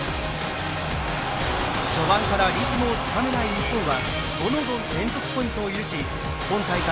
序盤からリズムをつかめない日本はボノの連続ポイントを許し今大会